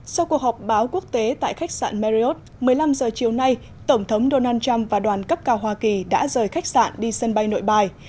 sau cuộc họp báo quốc tế tại khách sạn merriot một mươi năm h chiều nay tổng thống donald trump và đoàn cấp cao hoa kỳ đã rời khách sạn đi sân bay nội bài